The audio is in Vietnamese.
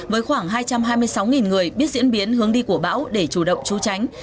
với khoảng hai trăm hai mươi sáu người biết diễn biến hướng đi của bão để chủ động tru tránh